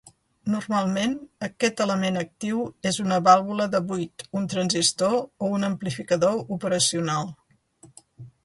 Normalment aquest element actiu és una vàlvula de buit, un transistor o un amplificador operacional.